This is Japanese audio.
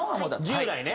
従来ね。